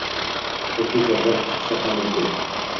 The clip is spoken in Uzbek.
Chunki janjal chiqishi ham mumkin.